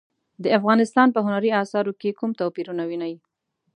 د افغانستان په هنري اثارو کې کوم توپیرونه وینئ؟